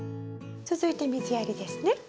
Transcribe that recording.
続いて水やりですね？